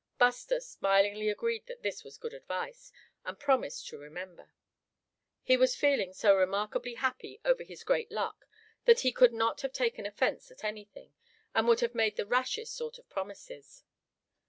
Buster smilingly agreed that this was good advice, and promised to remember. He was feeling so remarkably happy over his great luck that he could not have taken offense at anything, and would have made the rashest sort of promises.